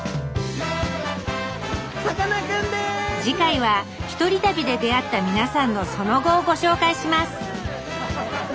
次回は１人旅で出会った皆さんのその後をご紹介します。